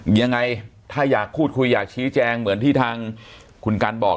ยังไงถ้าอยากพูดคุยอยากชี้แจงเหมือนที่ทางคุณกันบอก